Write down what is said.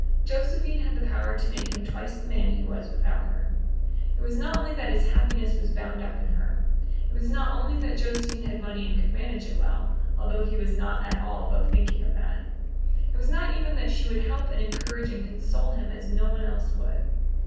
Josephine had the power to make him twice the man he was without her. It was not only that his happiness was bound up in her; it was not only that Josephine had money and could manage it well, although he was not at all above thinking of that; it was not even that she would help and encourage and console him as no one else would.